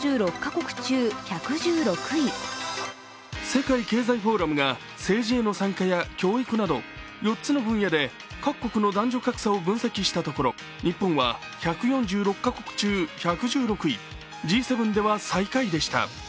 世界経済フォーラムが政治への参加や教育など４つの分野で各国の男女格差を分析したところ日本は１４６カ国中１１６位、Ｇ７では最下位でした。